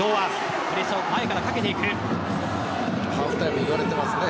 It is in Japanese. ハーフタイム言われていますね